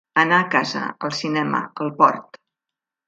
Anar a casa, al cinema, al port.